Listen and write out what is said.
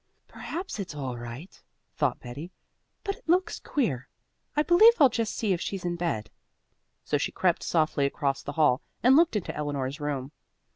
"Perhaps it's all right," thought Betty, "but it looks queer. I believe I'll just see if she's in bed." So she crept softly across the hall and looked into Eleanor's room.